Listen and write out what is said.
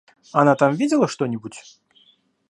Она там видела что-нибудь?